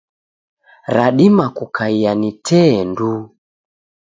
Radima kukaia ni tee nduu.